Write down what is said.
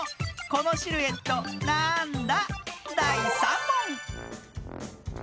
このシルエットなんだ？